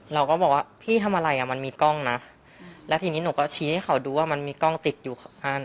เราก็บอกว่าพี่ทำอะไรอ่ะมันมีกล้องนะแล้วทีนี้หนูก็ชี้ให้เขาดูว่ามันมีกล้องติดอยู่ข้าง